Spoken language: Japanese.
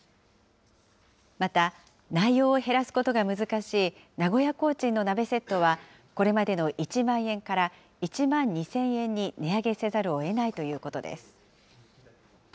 また、内容を減らすことが難しい名古屋コーチンの鍋セットは、これまでの１万円から１万２０００円に値上げせざるをえないということです。